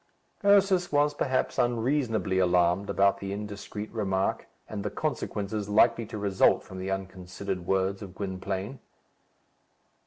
Ursus was perhaps unreasonably alarmed about the indiscreet remark, and the consequences likely to result from the unconsidered words of Gwynplaine.